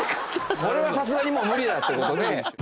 これはさすがにもう無理だっていうことで。